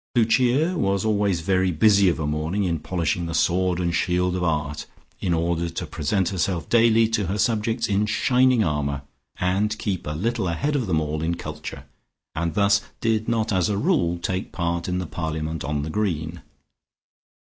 Lucia was always very busy of a morning in polishing the sword and shield of Art, in order to present herself daily to her subjects in shining armour, and keep a little ahead of them all in culture, and thus did not as a rule take part in the parliament on the Green.